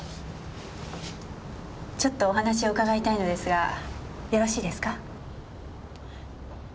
ちょっとお話を伺いたいのですがよろしいですか？